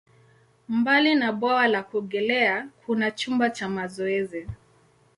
Mbali na bwawa la kuogelea, kuna chumba cha mazoezi.